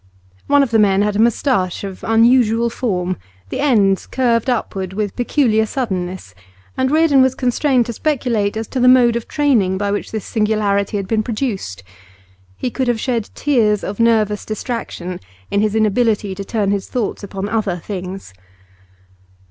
One of the men had a moustache of unusual form; the ends curved upward with peculiar suddenness, and Reardon was constrained to speculate as to the mode of training by which this singularity had been produced. He could have shed tears of nervous distraction in his inability to turn his thoughts upon other things.